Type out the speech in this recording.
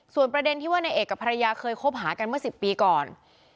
ส่วนประเด็นที่ว่านายเอกกับภรรยาเคยคบหากันเมื่อ๑๐ปีก่อน